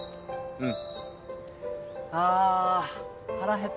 うん。